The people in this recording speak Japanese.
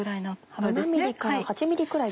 ７ｍｍから８ｍｍくらい。